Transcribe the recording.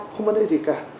không vấn đề gì cả